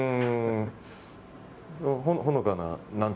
ほのかな。